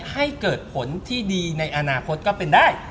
ให้เกิดผลที่ดีในอนาคตก็เป็นได้